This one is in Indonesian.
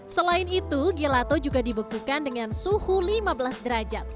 selain itu gelato juga dibekukan dengan suhu lima belas derajat